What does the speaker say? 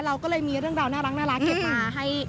เราก็เลยมีเรื่องราวน่ารักเก็บมาให้